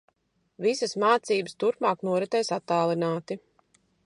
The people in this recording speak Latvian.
Visas mācības turpmāk noritēs attālināti.